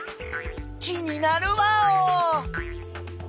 気になるワオ！